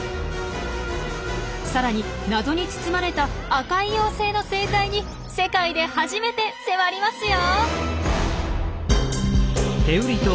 さらに謎に包まれた「紅い妖精」の生態に世界で初めて迫りますよ！